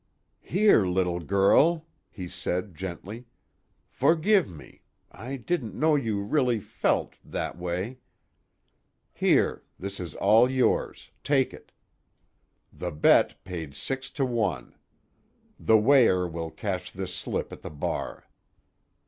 "Here, little girl," he said gently. "Forgive me. I didn't know you really felt that way. Here, this is all yours take it. The bet paid six to one. The weigher will cash this slip at the bar."